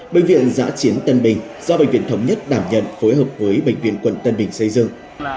bệnh viện giã chiến tân bình do bệnh viện thống nhất đảm nhận phối hợp với bệnh viện quận tân bình xây dựng